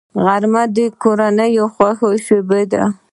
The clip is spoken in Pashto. غرمه د کورنۍ د خوښۍ شیبه ده